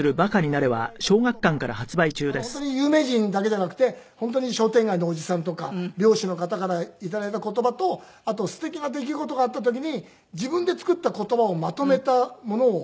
本当に有名人だけじゃなくて本当に商店街のおじさんとか漁師の方から頂いた言葉とあとすてきな出来事があった時に自分で作った言葉をまとめたものを。